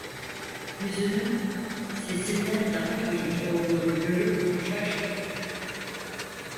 Yüzünün sesinden daha genç olduğunu görüp şaştım.